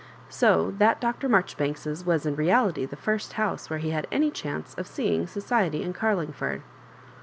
So that Dr. Marjoribanks's was in r^ty the first house where he had any chance of seeing society in Carlingford.